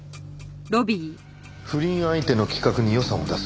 不倫相手の企画に予算を出す。